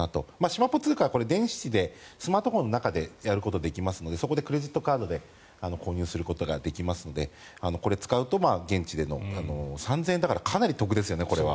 しまぽ通貨は電子でスマートフォンの中でやることができますのでそこでクレジットカードで購入することができますのでこれ、使うと現地で、３０００円だからかなりお得ですよね。